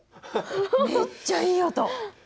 めっちゃいい音。